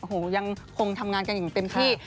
โอ้โหยังคงทำงานกันอย่างเต็มที่